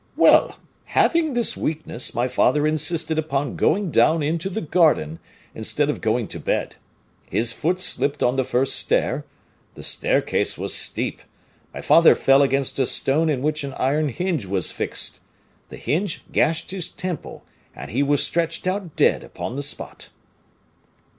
"Well, having this weakness, my father insisted upon going down into the garden, instead of going to bed; his foot slipped on the first stair, the staircase was steep; my father fell against a stone in which an iron hinge was fixed. The hinge gashed his temple; and he was stretched out dead upon the spot."